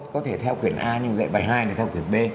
có thể theo quyền a nhưng dạy bài hai là theo quyền b